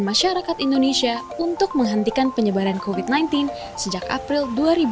masyarakat indonesia untuk menghentikan penyebaran covid sembilan belas sejak april dua ribu dua puluh